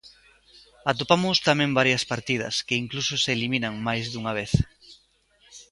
Atopamos tamén varias partidas que incluso se eliminan máis dunha vez.